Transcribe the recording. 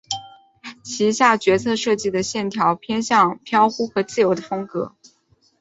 旗下角色设计的线条偏向飘忽和自由的风格。